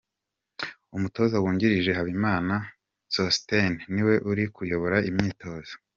Umutoza wungirije Habimana Sosthene niwe uri kuyobora imyitozo.